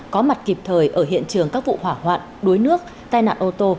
có mặt kịp thời ở hiện trường các vụ hỏa hoạn đối nước tai nạn ô tô